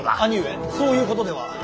兄上そういうことでは。